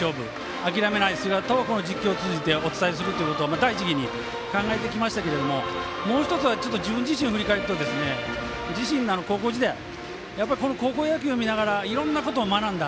諦めない姿をこの実況を通じてお伝えするということを一番に考えてきましたけどももう１つは自分自身を振り返ると自身の高校時代いろんなことを学んだ。